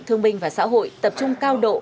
thương minh và xã hội tập trung cao độ